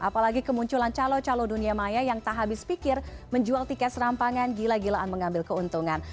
apalagi kemunculan calo calo dunia maya yang tak habis pikir menjual tiket serampangan gila gilaan mengambil keuntungan